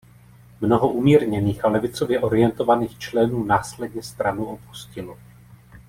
Mnoho umírněných a levicově orientovaných členů následně stranu opustilo.